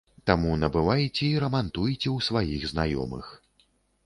Таму набывайце і рамантуйце ў сваіх знаёмых.